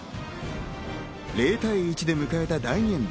０対１で迎えた第２エンド。